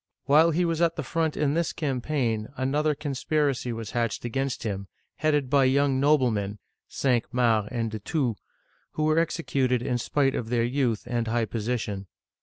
While he was at the front in this campaign, another conspiracy was hatched against him, headed by young noblemen (Cinq Mars and De Thou), who were executed in spite of their youth and high position.